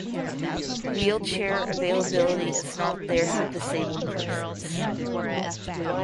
Wheelchair availability is not there for disabled persons.